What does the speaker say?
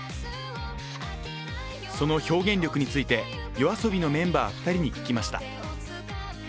その表現力についてＹＯＡＳＯＢＩのメンバー２人に聞きました。